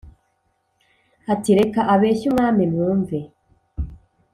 Ati: "Reka abeshye Umwami mwumve!